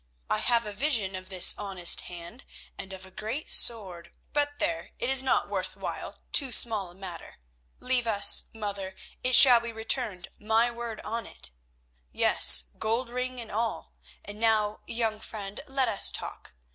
"I have a vision of this honest hand and of a great sword—but, there, it is not worth while, too small a matter. Leave us, mother. It shall be returned, my word on it. Yes, gold ring and all. And now, young friend, let us talk.